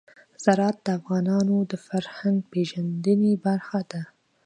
زراعت د افغانانو د فرهنګي پیژندنې برخه ده.